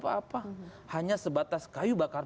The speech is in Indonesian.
apa apa hanya sebatas kayu bakar